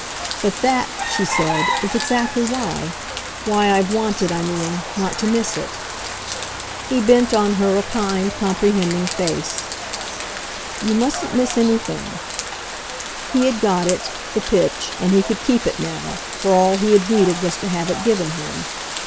But that," she said, "is exactly why. Why I've wanted, I mean, not to miss it." He bent on her a kind, comprehending face. "You mustn't miss anything." He had got it, the pitch, and he could keep it now, for all he had needed was to have it given him.